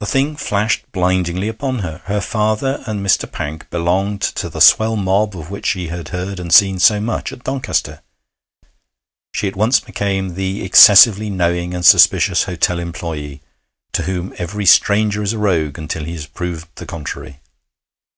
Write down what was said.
The thing flashed blindingly upon her. Her father and Mr. Pank belonged to the swell mob of which she had heard and seen so much at Doncaster. She at once became the excessively knowing and suspicious hotel employé, to whom every stranger is a rogue until he has proved the contrary.